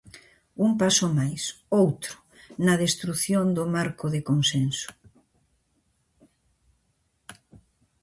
Un paso máis, outro, na destrución do marco de consenso.